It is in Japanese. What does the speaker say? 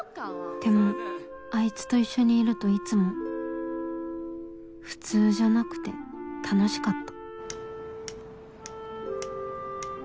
でもあいつと一緒にいるといつも普通じゃなくて楽しかった